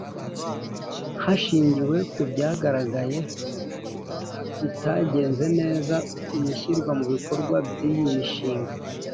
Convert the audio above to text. Hashingiwe ku byagaragaye bitagenze neza mu ishyirwa mu bikorwa ry iyi mishinga